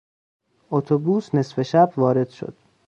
اتوبوس نصف شب وارد شد.